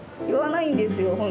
言わないんですよ